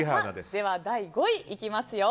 では第５位いきますよ。